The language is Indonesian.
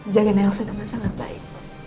jagain elsa dengan sangat baik